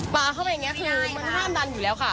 ปลาเข้าไปอย่างนี้คือมันห้ามดันอยู่แล้วค่ะ